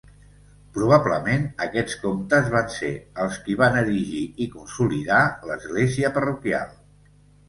Probablement aquests comtes van ser els qui van erigir i consolidar l'església parroquial.